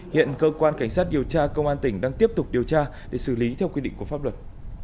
hiện cơ quan cảnh sát điều tra công an tỉnh đang tiếp tục điều tra để xử lý theo quy định của pháp luật